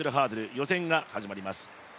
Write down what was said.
予選が始まります。